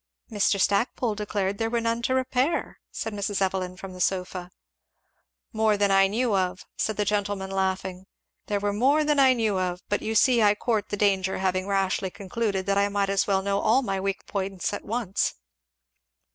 "Mr. Stackpole declared there were none to repair," said Mrs. Evelyn from the sofa. "More than I knew of," said the gentleman laughing "there were more than I knew of; but you see I court the danger, having rashly concluded that I might as well know all my weak points at once."